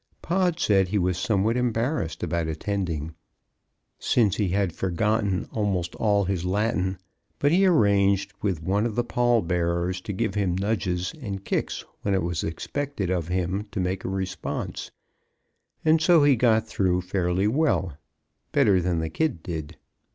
Pod said he was somewhat embarrassed about attending, since he had forgotten almost all his Latin, but he arranged with one of the pall bearers to give him nudges and kicks when it was expected of him to make a response, and so he got through fairly well better than the kid did.